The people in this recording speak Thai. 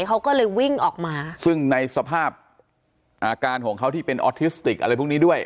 เขาก็เลยวิ่งออกมาซึ่งในสภาพอาการของเขาที่เป็นออทิสติกอะไรพวกนี้ด้วย